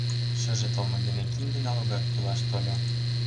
Шыже толмо дене кинде налогат тӱлаш тольо.